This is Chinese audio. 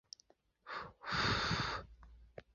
白栎为壳斗科栎属的植物。